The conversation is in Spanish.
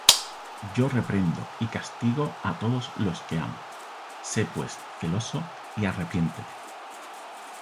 Yo reprendo y castigo á todos los que amo: sé pues celoso, y arrepiéntete.